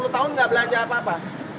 sepuluh tahun nggak belanja apa apa